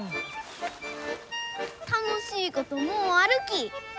楽しいこともうあるき。